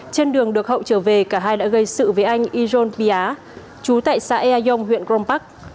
trên đường được hậu trở về cả hai đã gây sự với anh ijon pia chú tại xã ea yo huyện grom park